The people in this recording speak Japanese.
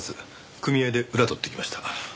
組合で裏取ってきました。